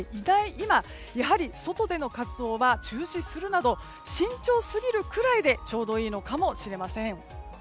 今外での活動は中止するなど慎重すぎるくらいでちょうどいいのかもしれません。